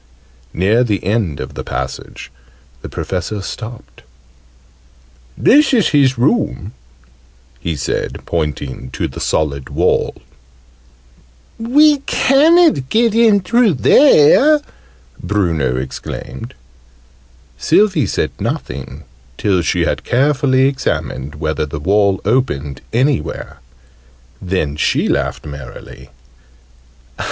Near the end of the passage the Professor stopped. "This is his room," he said, pointing to the solid wall. "We ca'n't get in through there!" Bruno exclaimed. Sylvie said nothing, till she had carefully examined whether the wall opened anywhere. Then she laughed merrily.